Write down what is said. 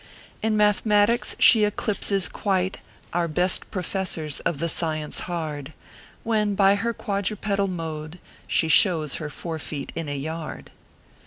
In mathematics she eclipses quite Our best professors of the science hard, When, by her quadrupedal mode, she shows Her four feet in a yard.